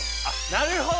なるほど。